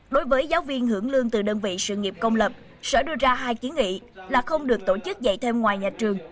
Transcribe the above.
đối với giáo viên hưởng lương từ đơn vị sự nghiệp công lập sở đưa ra hai kiến nghị là không được tổ chức dạy thêm ngoài nhà trường